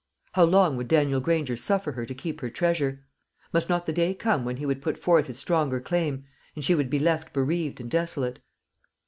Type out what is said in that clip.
How long would Daniel Granger suffer her to keep her treasure? Must not the day come when he would put forth his stronger claim, and she would be left bereaved and desolate?